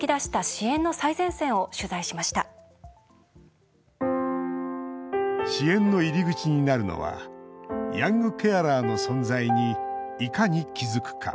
支援の入り口になるのはヤングケアラーの存在にいかに気づくか。